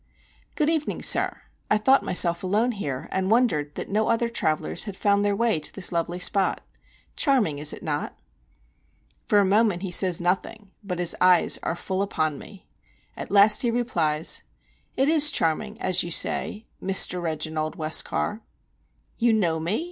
"Good evening, sir. I thought myself alone here, and wondered that no other travellers had found their way to this lovely spot. Charming, is it not?" For a moment he says nothing, but his eyes are full upon me. At last he replies: "It is charming, as you say, Mr. Reginald Westcar." "You know me?"